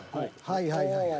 はいはいはい。